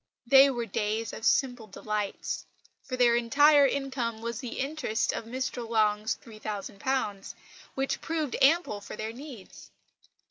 They were days of simple delights; for their entire income was the interest of Mr Long's £3000, which proved ample for their needs.